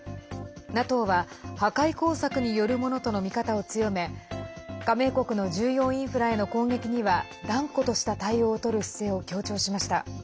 ＮＡＴＯは破壊工作によるものとの見方を強め加盟国の重要インフラへの攻撃には断固とした対応をとる姿勢を強調しました。